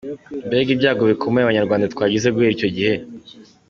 Mbega ibyago bikomeye abanyarwanda twagize guhera icyo gihe!